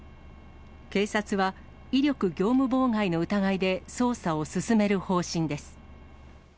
警察は、威力業務妨害の疑いで捜査を進める方針です。